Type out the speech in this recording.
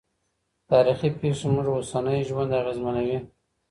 تاریخي پېښې زموږ اوسنی ژوند اغېزمنوي.